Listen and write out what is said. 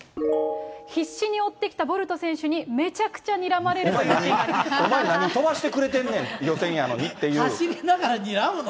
必死に追ってきたボルト選手にめちゃくちゃにらまれるというお前、何飛ばしてくれてんね走りながら、にらむの？